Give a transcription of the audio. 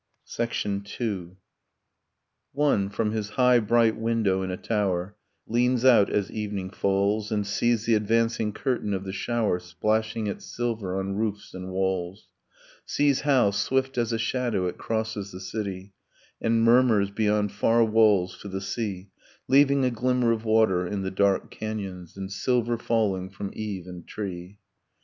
II. One, from his high bright window in a tower, Leans out, as evening falls, And sees the advancing curtain of the shower Splashing its silver on roofs and walls: Sees how, swift as a shadow, it crosses the city, And murmurs beyond far walls to the sea, Leaving a glimmer of water in the dark canyons, And silver falling from eave and tree.